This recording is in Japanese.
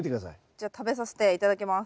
じゃあ食べさせて頂きます。